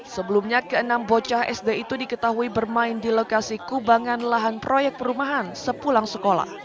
sebelumnya keenam bocah sd itu diketahui bermain di lokasi kubangan lahan proyek perumahan sepulang sekolah